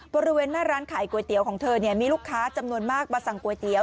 บริเวณหน้าร้านขายก๋วยเตี๋ยวของเธอมีลูกค้าจำนวนมากมาสั่งก๋วยเตี๋ย